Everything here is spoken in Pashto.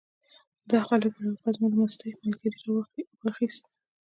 دا خلک وګوره! هغه زما د مستۍ ملګری یې واخیست.